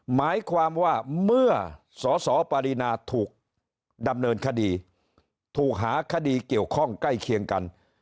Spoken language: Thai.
หมายความว่าเมื่อสสปรินาถูกดำเนินคดีถูกหาคดีเกี่ยวข้องใกล้เคียงกัน